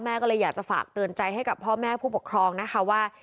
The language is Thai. ก็เลยอยากจะฝากเตือนใจให้กับพ่อแม่ผู้ปกครองนะคะว่า